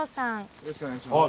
よろしくお願いします。